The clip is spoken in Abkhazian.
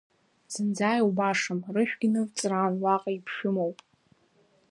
Зынӡа иубашам рышәгьы нывҵраан, уаҟа иԥшәымоуп!